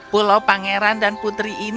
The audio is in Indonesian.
pulau pangeran dan putri ini akan memiliki pohon